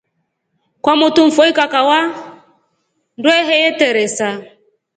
Kwamotu mfua ikakava ndwehe yeteresa.